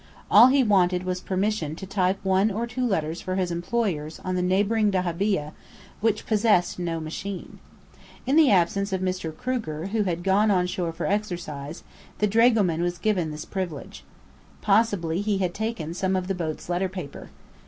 All he wanted was permission to type one or two letters for his employers on the neighbouring dahabeah, which possessed no machine. In the absence of Mr. Kruger, who had gone on shore for exercise, the dragoman was given this privilege. Possibly he had taken some of the boat's letter paper.